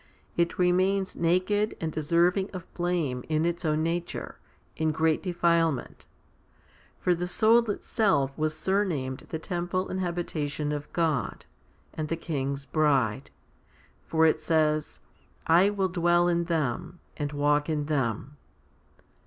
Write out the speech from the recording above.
It remains naked and deserving of blame in its own nature, in great defilement. For the soul itself was surnamed the temple and habitation of God, and the King's bride ; for it says, / will dwell in them, and walk in them.